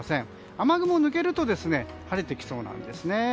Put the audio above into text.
雨雲を抜けると晴れてきそうなんですね。